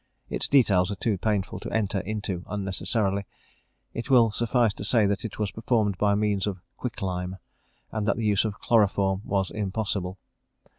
Its details are too painful to enter into unnecessarily; it will suffice to say that it was performed by means of quick lime, and that the use of chloroform was impossible.